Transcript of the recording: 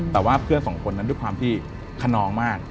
แต่ว่าเพื่อนสองคนนั้นด้วยความที่ขนองมาก